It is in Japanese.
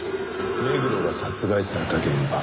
目黒が殺害された現場。